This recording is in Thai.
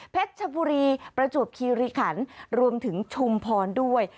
ชบุรีประจวบคีริขันรวมถึงชุมพรด้วย